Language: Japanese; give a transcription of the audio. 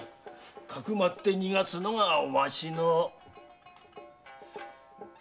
かくまって逃がすのがわしの。